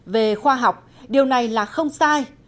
về khoa học điều này là không sai